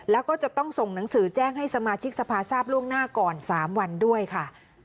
แล้วก็จะต้องส่งหนังสือแจ้งให้สมาชิกสภาทราบล่วงหน้าก่อน๓วันด้วยค่ะ